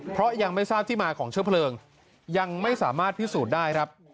เพราะยังไม่ทราบที่มาของเชื้อเพลิงยังไม่สามารถพิสูจน์ได้ครับ